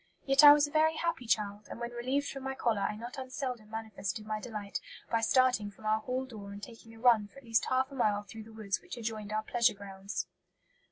Yet I was a very happy child, and when relieved from my collar I not unseldom manifested my delight by starting from our hall door and taking a run for at least half a mile through the woods which adjoined our pleasure grounds."